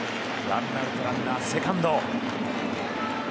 ワンアウトでランナーはセカンド。